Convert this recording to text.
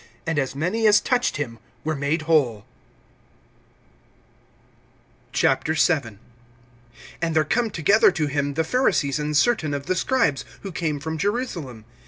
And as many as touched him were made whole. VII. AND there come together to him the Pharisees and certain of the scribes, who came from Jerusalem.